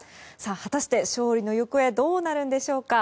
果たして勝利の行方どうなるんでしょうか。